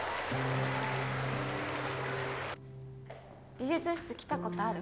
美術室来たことある？